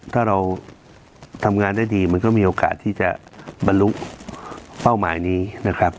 ถ้าเราทำงานได้ดีมันก็มีโอกาสที่จะบรรลุเป้าหมายนี้นะครับ